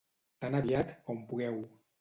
Tan aviat com pugueu.